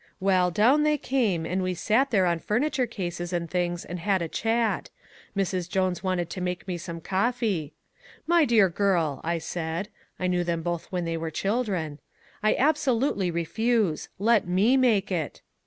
"Well, down they came and we sat there on furniture cases and things and had a chat. Mrs. Jones wanted to make me some coffee. 'My dear girl,' I said (I knew them both when they were children) 'I absolutely refuse. Let ME make it.'